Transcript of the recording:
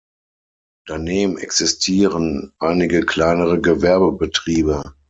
Daneben existieren einige kleinere Gewerbebetriebe.